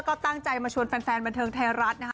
ก็ตั้งใจมาชวนแฟนบันเทิงไทยรัฐนะคะ